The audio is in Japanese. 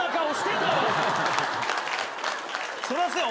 そりゃそうや。